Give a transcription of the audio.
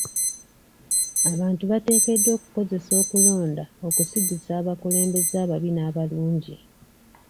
Abantu bateekeddwa okukozesa okulonda okusigiza abakulembeze ababi n'abalungi.